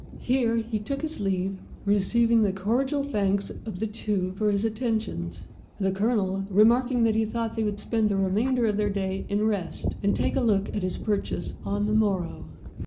Here he took his leave, receiving the cordial thanks of the two for his attentions, the Colonel remarking that he thought they would spend the remainder of the day in rest, and take a look at his purchase on the morrow.